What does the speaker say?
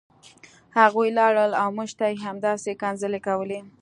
هغوی لاړل او موږ ته یې همداسې کنځلې کولې